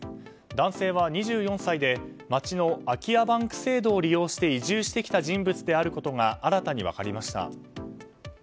男性は２４歳で町の空き家バンク制度を利用して移住してきた人物であることが新たに分かりました。